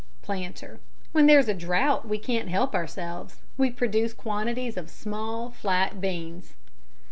PLANTER: When there's a drought we can't help ourselves; we produce quantities of small flat beans.